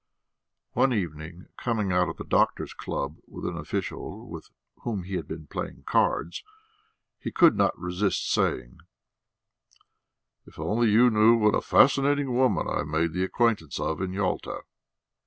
One evening, coming out of the doctors' club with an official with whom he had been playing cards, he could not resist saying: "If only you knew what a fascinating woman I made the acquaintance of in Yalta!"